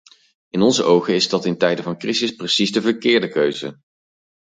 In onze ogen is dat in tijden van crisis precies de verkeerde keuze.